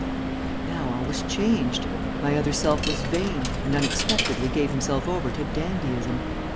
"But now all was changed. My other self was vain, and unexpectedly gave himself over to dandyism.